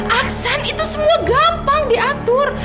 aksen itu semua gampang diatur